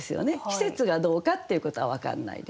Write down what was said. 季節がどうかっていうことは分かんないですけど